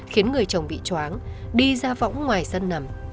khiến người chồng bị chóng đi ra võng ngoài sân ngầm